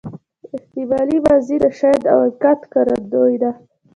احتمالي ماضي د شاید او امکان ښکارندوی ده.